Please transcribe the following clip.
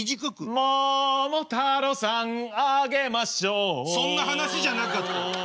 桃太郎さんあげましょうそんな話じゃなかったよ。